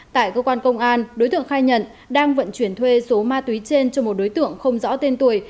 tại cơ quan công an đối tượng khai nhận đang vận chuyển thuê số ma túy trên cho một đối tượng không rõ tên tuổi